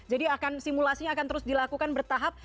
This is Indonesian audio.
jadi simulasinya akan terus dilakukan bertahap